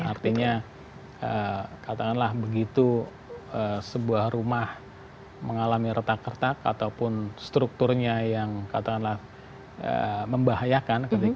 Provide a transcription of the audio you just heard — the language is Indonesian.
artinya katakanlah begitu sebuah rumah mengalami retak retak ataupun strukturnya yang katakanlah membahayakan ketika